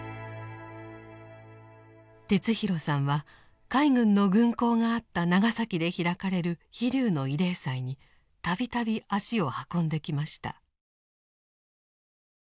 哲弘さんは海軍の軍港があった長崎で開かれる「飛龍」の慰霊祭に度々足を運んできました。